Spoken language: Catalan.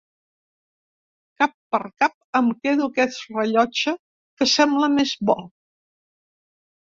Cap per cap em quedo aquest rellotge que sembla més bo.